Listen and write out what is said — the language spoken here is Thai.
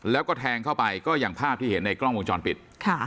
แล้วก็แทงเข้าไปก็อย่างภาพที่เห็นในกล้องวงจรปิด